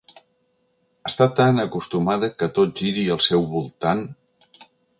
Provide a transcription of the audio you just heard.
Està tan acostumada que tot giri al seu voltant!